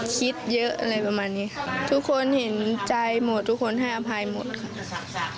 คิดเยอะอะไรประมาณนี้ค่ะทุกคนเห็นใจหมดทุกคนให้อภัยหมดค่ะ